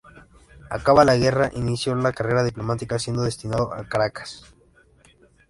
Acabada la guerra, inició la carrera diplomática, siendo destinado a Caracas.